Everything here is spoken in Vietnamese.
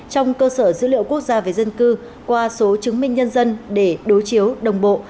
trong cơ sở dữ liệu quốc gia về dân cư qua số chứng minh nhân dân để đối chiếu đồng bộ